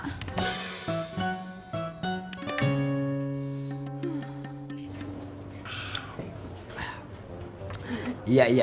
tati nggak punya duit mak